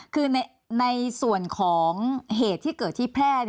คือในส่วนของเหตุที่เกิดที่แพร่